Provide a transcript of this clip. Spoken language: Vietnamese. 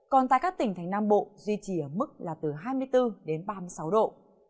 còn tại các tỉnh thành nam bộ duy trì ở mức là từ hai mươi bốn đến ba mươi sáu độ